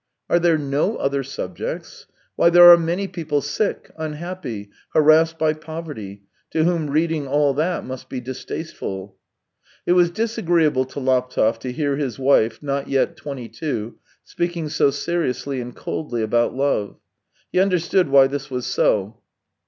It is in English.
Are there no other subjects ? Why, there are many people sick, unhappy, harassed by poverty, to whom reading all that must be distasteful." It was disagreeable to Laptev to hear his wife, not yet twenty two, speaking so seriously and coldly about love. He understood why this was so.